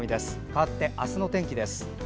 かわって、明日の天気です。